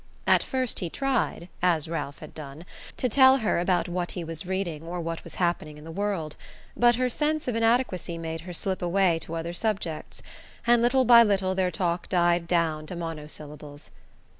At first he tried as Ralph had done to tell her about what he was reading or what was happening in the world; but her sense of inadequacy made her slip away to other subjects, and little by little their talk died down to monosyllables.